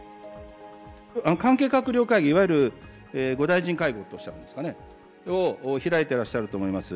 関係閣僚会議、いわゆる５大臣会合とおっしゃるんですかね、開いてらっしゃると思います。